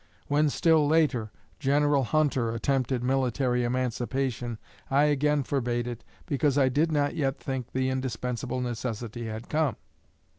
When, still later, General Hunter attempted military emancipation, I again forbade it, because I did not yet think the indispensable necessity had come.